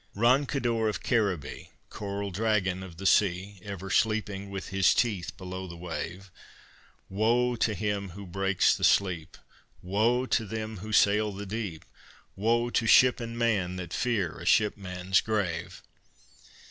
Roncador of Caribee, Coral dragon of the sea, Ever sleeping with his teeth below the wave; Woe to him who breaks the sleep! Woe to them who sail the deep! Woe to ship and man that fear a shipman's grave!